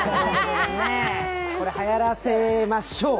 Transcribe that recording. これ、はやらせましょう。